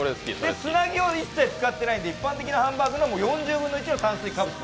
つなぎを一切使っていないので炭水化物が一般的なハンバーグの４０分の１。